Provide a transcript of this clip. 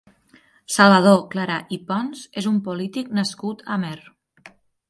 Salvador Clarà i Pons és un polític nascut a Amer.